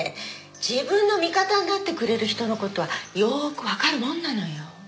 自分の味方になってくれる人の事はよくわかるもんなのよ。